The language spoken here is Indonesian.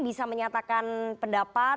bisa menyatakan pendapat